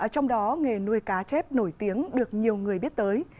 trong đó nghề nuôi cá chép nổi tiếng được nhiều người biết tới